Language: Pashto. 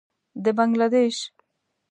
د بنګله دېش.